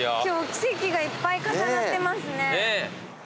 今日奇跡がいっぱい重なってますね。